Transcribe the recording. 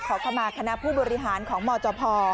ขอเข้ามาคณะผู้บริหารของมจพ